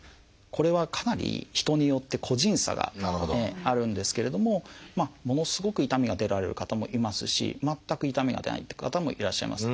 これはかなり人によって個人差があるんですけれどもものすごく痛みが出られる方もいますし全く痛みが出ないって方もいらっしゃいます。